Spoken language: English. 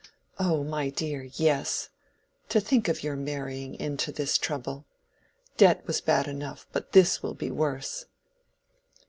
"Oh, my dear, yes. To think of your marrying into this trouble. Debt was bad enough, but this will be worse."